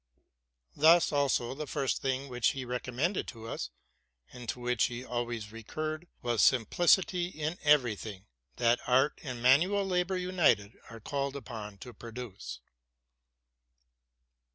Thus also the first thing which he recommended to us, and to which he always recurred, was simplicity in every thing that art and manual labor united are called upon to produce.